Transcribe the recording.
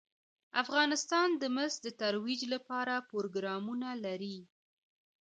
افغانستان د مس د ترویج لپاره پروګرامونه لري.